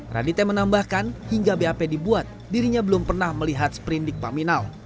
radite menambahkan hingga bap dibuat dirinya belum pernah melihat sprindik paminal